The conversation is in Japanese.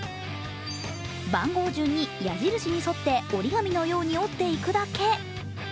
番号順に矢印に沿って折り紙のように折っていくだけ。